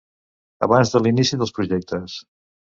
Abans de l'inici dels projectes.